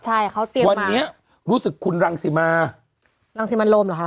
ใช่เขาเตรียมวันนี้รู้สึกคุณรังสิมารังสิมันโรมเหรอคะ